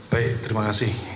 baik terima kasih